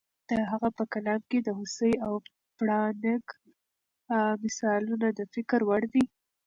د هغه په کلام کې د هوسۍ او پړانګ مثالونه د فکر وړ دي.